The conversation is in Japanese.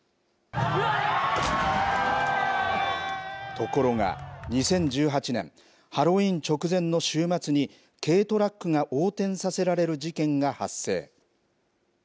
ところが２０１８年ハロウィーン直前の週末に軽トラックが横転させられる事件が発生。